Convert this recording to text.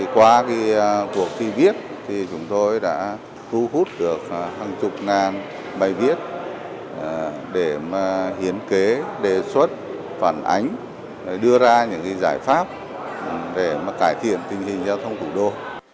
qua cuộc thi viết chúng tôi đã thu hút được hàng chục ngàn bài viết để hiến kế đề xuất phản ánh đưa ra những giải pháp để cải thiện tình hình giao thông thủ đô